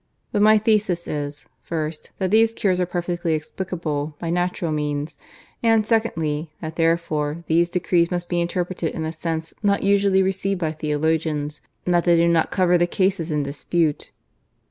But my thesis is, first, that these cures are perfectly explicable by natural means, and secondly, that therefore these decrees must be interpreted in a sense not usually received by theologians, and that they do not cover the cases in dispute.